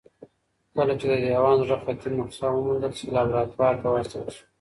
کله چي د دیوان زړه خطي نسخه وموندل سوه لابراتوار ته واستول سوه.